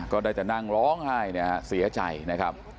ก็ได้จะนั่งร้องไห้เสียใจนะครับ